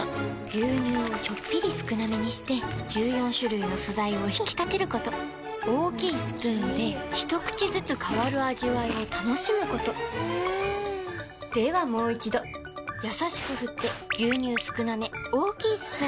牛乳をちょっぴり少なめにして１４種類の素材を引き立てること大きいスプーンで一口ずつ変わる味わいを楽しむことではもう一度これだ！